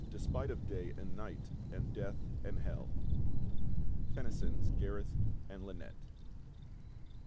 Despite of Day and Night and Death and Hell.'" Tennyson's "Gareth and Lynette."